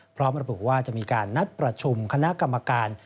พร้อมระบุว่าจะมีการนัดประชุมคณะกรรมการ